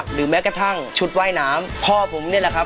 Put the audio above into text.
หรือแม้กระทั่งชุดว่ายน้ำพ่อผมนี่แหละครับ